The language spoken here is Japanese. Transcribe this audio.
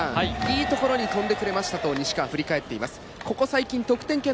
いいところに飛んでくれましたと西川は振り返っています。